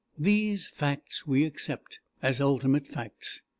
These facts we accept as ultimate facts.